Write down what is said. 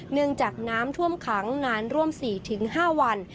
เนื่องจากน้ำท่วมขังนานร่วม๔๕วัน